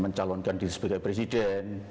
mencalonkan dia sebagai presiden